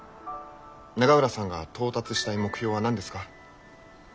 永浦さんが到達したい目標は何ですか？